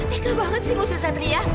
apa tega banget sih musik satria